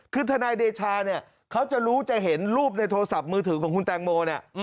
คือทนายเดชาเนี่ยเขาจะรู้จะเห็นรูปในโทรศัพท์มือถือของคุณแตงโมเนี่ย